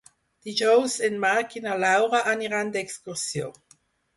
Dijous en Marc i na Laura aniran d'excursió.